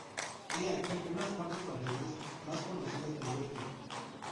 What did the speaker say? He aquí unas cuantas variedades más conocidas de Georgia.